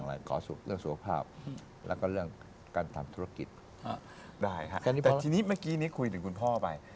ได้ครับแต่ทีนี้เมื่อกี๊คุยถึงคุณพ่อไป